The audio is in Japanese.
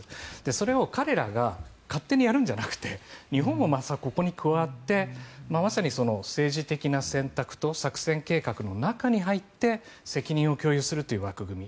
それを彼らが勝手にやるんじゃなくて日本もそこに加わってまさに政治的な選択と作戦計画の中に入って責任を共有するという枠組み。